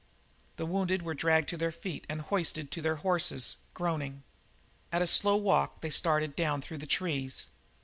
The wounded were dragged to their feet and hoisted to their horses, groaning. At a slow walk they started down through the trees.